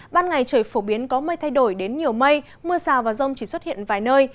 ban ngày trời phổ biến có mây thay đổi đến nhiều mây mưa rào và rông chỉ xuất hiện vài nơi